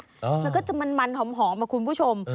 มันก็จะมันหอมอ่ะคุณผู้ชม